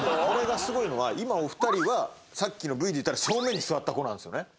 これがすごいのは今お二人はさっきのＶで言ったら正面に座った子なんですよね。